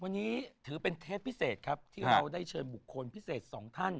วันนี้ถือเป็นเทปพิเศษครับที่เราได้เชิญบุคคลพิเศษสองท่าน